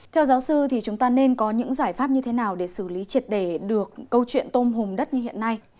theo giáo sư thì chúng ta nên có những giải pháp như thế nào để xử lý triệt để được câu chuyện tôm hùm đất như hiện nay